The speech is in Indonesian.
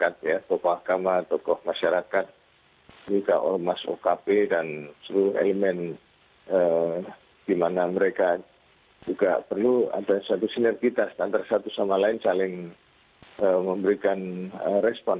tokoh agama tokoh masyarakat juga ormas okp dan seluruh elemen di mana mereka juga perlu ada satu sinergitas antara satu sama lain saling memberikan respon